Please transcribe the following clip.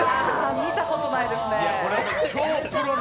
見たことないですね。